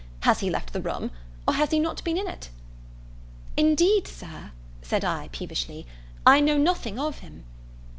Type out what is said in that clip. has he left the room! or has not he been in it?" "Indeed, Sir," said I peevishly, "I know nothing of him."